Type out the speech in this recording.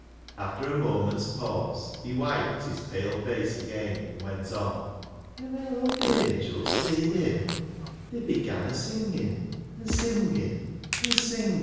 After a moment's pause, he wiped his pale face again, and went on —" An' when aw th' angils seed Him they began a singin' — an' singin' — an' singin'.